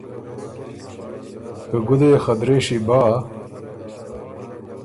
که ګُده يې خه درېشي بۀ